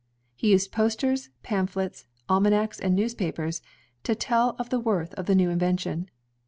He used posters, pamphlets, alma nacs, and newspapers, to tell of the worth of the new invention.